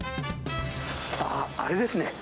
あっ、あれですね。